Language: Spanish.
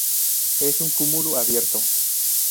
Es un cúmulo abierto.